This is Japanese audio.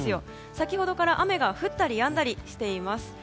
先ほどから雨が降ったりやんだりしています。